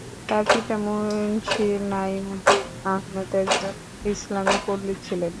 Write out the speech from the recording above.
তার পিতা মুন্সী নাঈম উদ্দিন আহমেদ একজন ইসলামী পণ্ডিত ছিলেন।